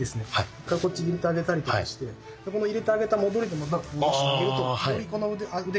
一回こっち入れてあげたりとかしてこの入れてあげた戻りでまた戻してあげるとよりこの腕が下がっていく。